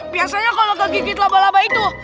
biasanya kalau kegigit laba laba itu